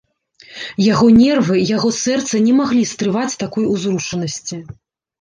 Яго нервы, яго сэрца не маглі стрываць такой узрушанасці.